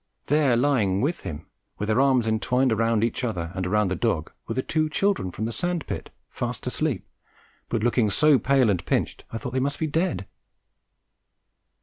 there lying with him, with their arms entwined round each other and round the dog, were the two children from the sand pit fast asleep, but looking so pale and pinched I thought they must be dead.